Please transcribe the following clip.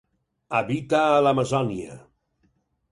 Habita a l'Amazònia.